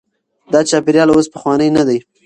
دا چاپیریال اوس پخوانی نه دی.